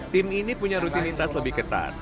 tim ini punya rutinitas lebih ketat